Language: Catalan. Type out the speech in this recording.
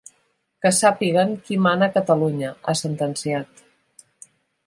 Que sàpiguen qui mana a Catalunya, ha sentenciat.